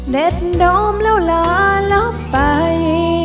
เด็ดน้อมแล้วลารับไป